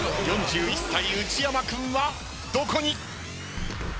４１歳内山君はどこに？